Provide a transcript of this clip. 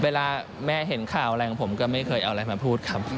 เวลาแม่เห็นข่าวอะไรของผมก็ไม่เคยเอาอะไรมาพูดครับ